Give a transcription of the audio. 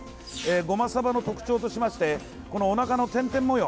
ゴマサバの特徴としましてこのおなかの点々模様